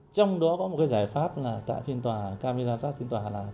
trong đó có một cái giải pháp là tại phiên tòa camera sát phiên tòa là